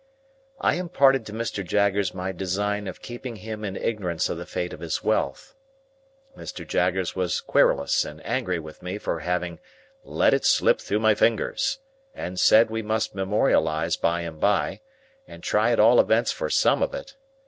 I imparted to Mr. Jaggers my design of keeping him in ignorance of the fate of his wealth. Mr. Jaggers was querulous and angry with me for having "let it slip through my fingers," and said we must memorialise by and by, and try at all events for some of it.